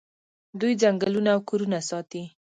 دوی ځنګلونه او کورونه ساتي.